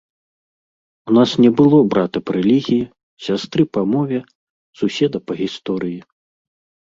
У нас не было брата па рэлігіі, сястры па мове, суседа па гісторыі.